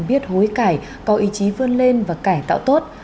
biết hối cải có ý chí vươn lên và cải tạo tốt